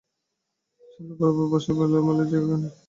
চন্দ্রবাবুর বাসা বড়ো এলোমেলো জায়গা– সেখানে যা হারায় সে আর পাওয়া যায় না।